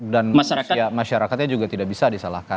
dan masyarakatnya juga tidak bisa disalahkan